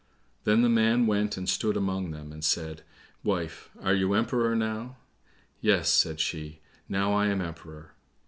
Then the man went and stood among them, and said, "Wife, are you Emperor now?" "Yes," said she, "now I am Emperor."